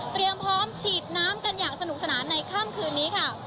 พร้อมฉีดน้ำกันอย่างสนุกสนานในค่ำคืนนี้ค่ะ